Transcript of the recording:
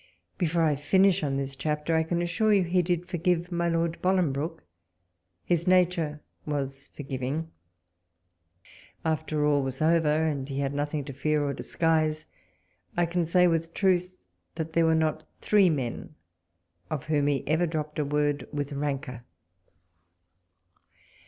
Before I finish on this chapter, I can assure you he did forgive my Lord Boling broke — his nature was forgiving: after all was over, and he had nothing to fear or disguise, I can say with truth, that there were not three men of whom he ever dropped a word with rancour.